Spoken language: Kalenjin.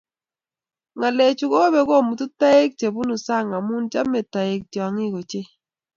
Ngalechu kobek komutu toek che bunu sang amu chamei toek tiong'ik ochei